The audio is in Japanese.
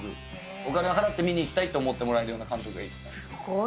お金を払って見に行きたいと思ってもらえるような監督がいいですすごい。